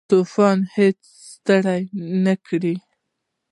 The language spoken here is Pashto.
طواف یې هېڅ ستړی نه کړم.